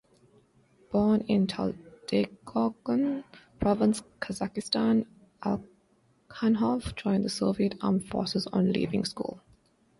Born in Taldykorgan Province, Kazakhstan, Alkhanov joined the Soviet Armed Forces on leaving school.